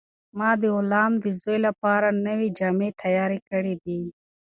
ما د غلام د زوی لپاره نوې جامې تیارې کړې دي.